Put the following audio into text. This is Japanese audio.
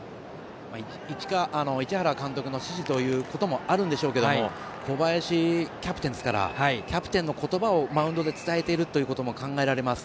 市原監督の指示ということもあるんでしょうけど小林キャプテンですからキャプテンの言葉をマウンドで伝えているということも考えられます。